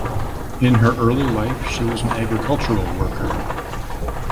In her early life she was an agricultural worker.